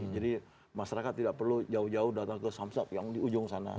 jadi masyarakat tidak perlu jauh jauh datang ke samsat yang di ujung sana